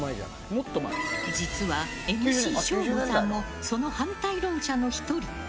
実はＭＣ省吾さんもその反対論者の１人。